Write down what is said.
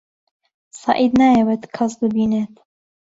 سەعید نایەوێت کەس ببینێت.